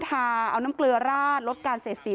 ทาเอาน้ำเกลือราดลดการเสียสี